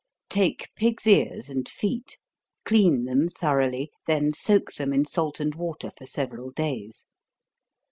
_ Take pig's ears and feet, clean them thoroughly, then soak them in salt and water, for several days.